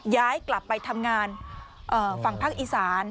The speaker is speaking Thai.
ย้ายกลับไปทำงานฝั่งภาคอีสาน